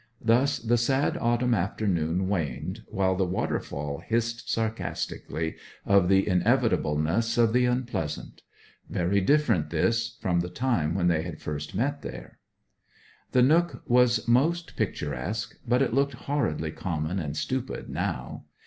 Thus the sad autumn afternoon waned, while the waterfall hissed sarcastically of the inevitableness of the unpleasant. Very different this from the time when they had first met there. The nook was most picturesque; but it looked horridly common and stupid now.